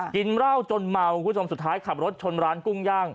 กินเหล้าจนเมาคุณผู้ชมสุดท้ายขับรถชนร้านกุ้งย่าง